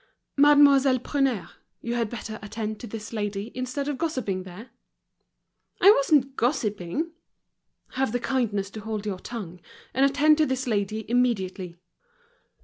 "Mademoiselle Prunaire, you had better attend to this lady instead of gossiping there." "I wasn't gossiping." "Have the kindness to hold your tongue, and attend to this lady immediately."